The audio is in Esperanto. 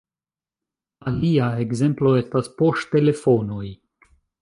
Alia ekzemplo estas poŝtelefonoj.